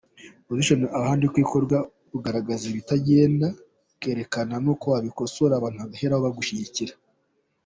opposition ahandi uko bikorwa ugaragaza ibitagenda, ukerekana nuko byakosorwa, abantu bakabiheraho bakagushyigikira.